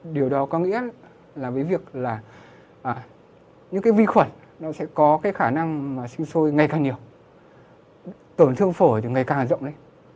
điều đó có nghĩa là những vi khuẩn sẽ có khả năng sinh sôi ngày càng nhiều tổn thương phổ ngày càng rộng lên